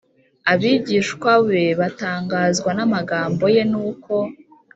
Abigishwa be batangazwa n amagambo ye nuko